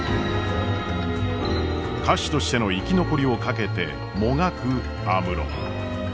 歌手としての生き残りを懸けてもがく安室。